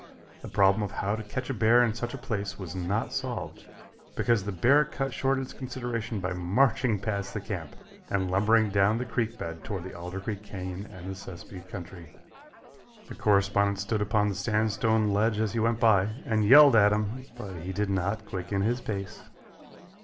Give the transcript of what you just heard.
The problem of how to catch a bear in such a place was not solved, because the bear cut short its consideration by marching past the camp and lumbering down the creek bed toward the Alder Creek Canyon and the Sespe country. The correspondent stood upon the sandstone ledge as he went by, and yelled at him, but he did not quicken his pace.